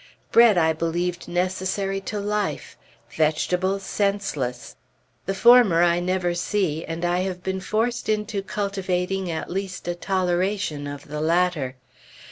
Bread I believed necessary to life; vegetables, senseless. The former I never see, and I have been forced into cultivating at least a toleration of the latter.